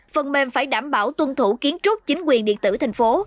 phần mềm phải đảm bảo tuân thủ kiến trúc chính quyền điện tử thành phố